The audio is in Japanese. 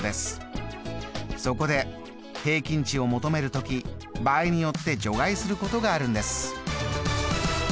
そこで平均値を求める時場合によって除外することがあるんです。